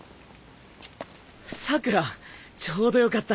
桜良ちょうどよかった。